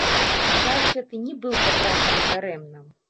І час гэты не быў патрачаны дарэмна.